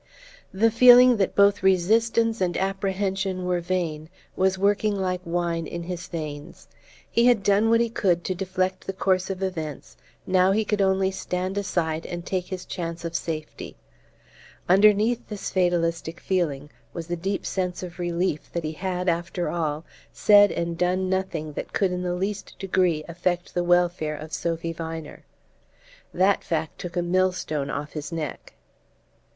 The feeling that both resistance and apprehension were vain was working like wine in his veins. He had done what he could to deflect the course of events: now he could only stand aside and take his chance of safety. Underneath this fatalistic feeling was the deep sense of relief that he had, after all, said and done nothing that could in the least degree affect the welfare of Sophy Viner. That fact took a millstone off his neck.